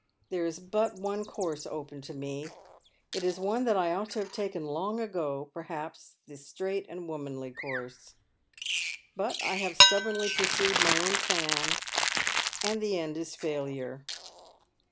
There is but one course open to me. It is one that I ought to have taken long ago, perhaps — the only straight and womanly course. But I have stubbornly pursued my own plan, and the end is failure."